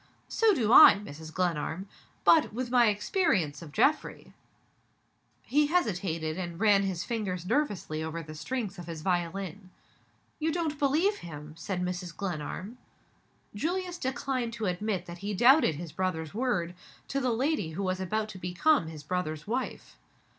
"So do I, Mrs. Glenarm. But, with my experience of Geoffrey " He hesitated, and ran his fingers nervously over the strings of his violin. "You don't believe him?" said Mrs. Glenarm. Julius declined to admit that he doubted his brother's word, to the lady who was about to become his brother's wife.